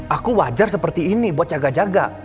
aku wajar seperti ini buat jaga jaga